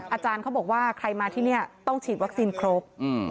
อาจารย์เขาบอกว่าใครมาที่นี่ต้องฉีดวัคซีนครบ